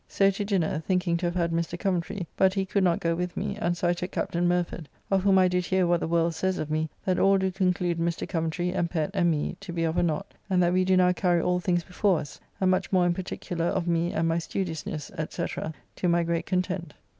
So to dinner, thinking to have had Mr. Coventry, but he could not go with me; and so I took Captn. Murford. Of whom I do hear what the world says of me; that all do conclude Mr. Coventry, and Pett, and me, to be of a knot; and that we do now carry all things before us; and much more in particular of me, and my studiousnesse, &c., to my great content.